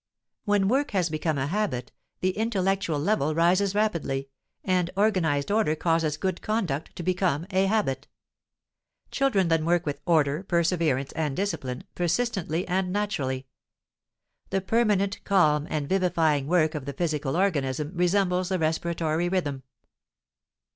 When work has become a habit, the intellectual level rises rapidly, and organized order causes good conduct to become a habit. Children then work with order, perseverance, and discipline, persistently and naturally; the permanent, calm, and vivifying work of the physical organism resembles the respiratory rhythm.